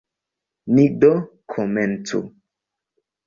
Ni do komencu.